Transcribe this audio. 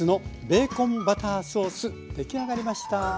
出来上がりました。